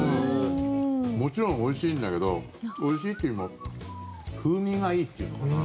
もちろん、おいしいんだけどおいしいというよりも風味がいいっていうのかな。